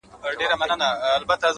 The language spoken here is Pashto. علم د عقل جوړښت پیاوړی کوي،